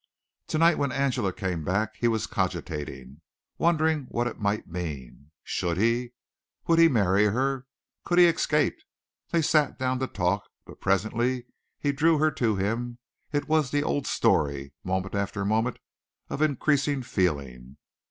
Tonight when Angela came back he was cogitating, wondering what it might mean. Should he? Would he marry her? Could he escape? They sat down to talk, but presently he drew her to him. It was the old story moment after moment of increasing feeling.